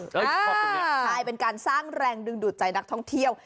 ใช่เป็นการสร้างแรงดึงดูดใจนักท่องเที่ยว